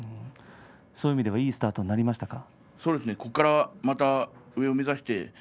そういう意味ではいいスタートになりましたか？